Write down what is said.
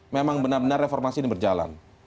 memang benar benar reformasi ini berjalan